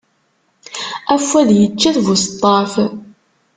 Afwad yečča-t buseṭṭaf.